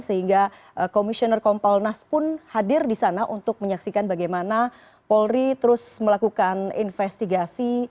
sehingga komisioner kompolnas pun hadir di sana untuk menyaksikan bagaimana polri terus melakukan investigasi